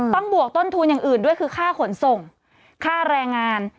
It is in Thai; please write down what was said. บวกต้นทุนอย่างอื่นด้วยคือค่าขนส่งค่าแรงงาน